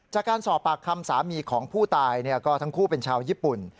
จากการสอบปากคำสามีของผู้ตายก็ทั้งคู่เป็นชาวญี่ปุ่น